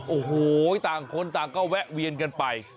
โอ้โหต่างคนต่างก็แวะเวียนกันไป